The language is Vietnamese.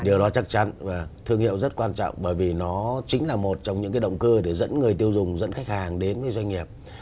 điều đó chắc chắn và thương hiệu rất quan trọng bởi vì nó chính là một trong những động cơ để dẫn người tiêu dùng dẫn khách hàng đến với doanh nghiệp